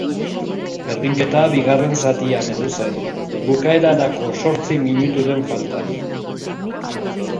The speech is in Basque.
Berdinketa bigarren zatian heldu zen, bukaerarako zortzi minuturen faltan.